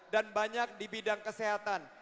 dan banyak di bidang kesehatan